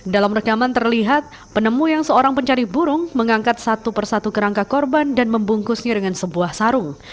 dalam rekaman terlihat penemu yang seorang pencari burung mengangkat satu persatu kerangka korban dan membungkusnya dengan sebuah sarung